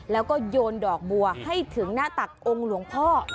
แล้วก็โยนดอกบัวให้ถึงหน้าตักองค์หลวงพ่อ